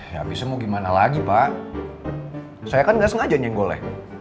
ya bisa mau gimana lagi pak saya kan gak sengajanya yang goleh